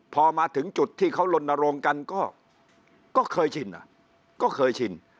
พอมาถึงจุดที่เขาลนโรงกันก็เคยชินก็เคยชิน